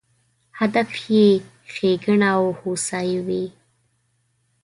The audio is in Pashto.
هدف یې ښېګڼه او هوسایي وي.